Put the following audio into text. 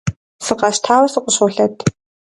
Сыкъэщтауэ сыкъыщолъэт.